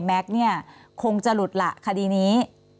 แม็กซ์คงจะหลุดหละคดีนี้